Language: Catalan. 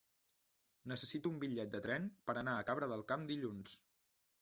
Necessito un bitllet de tren per anar a Cabra del Camp dilluns.